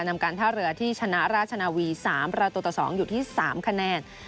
นำการท่าเรือที่ชนะราชนาวี๓ประตูต่อ๒อยู่ที่๓คะแนน